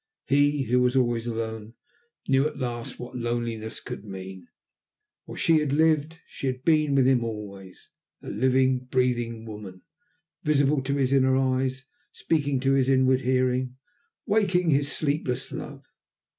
He, who was always alone, knew at last what loneliness could mean. While she had lived she had been with him always, a living, breathing woman, visible to his inner eyes, speaking to his inward hearing, waking in his sleepless love.